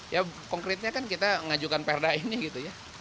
ya konkretnya kan kita ngajukan perda ini gitu ya